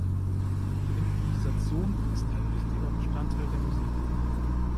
Improvisation ist ein wichtiger Bestandteil der Musik.